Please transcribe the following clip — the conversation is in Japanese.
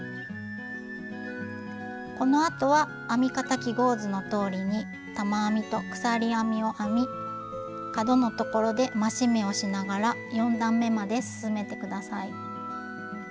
このあとは編み方記号図のとおりに玉編みと鎖編みを編み角のところで増し目をしながら４段めまで進めて下さい。